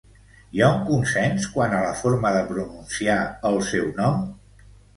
Hi ha un consens quant a la forma de pronunciar el seu nom?